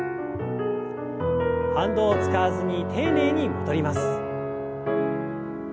反動を使わずに丁寧に戻ります。